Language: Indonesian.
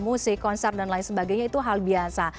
musik konser dan lain sebagainya itu hal biasa